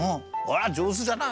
じょうずじゃない。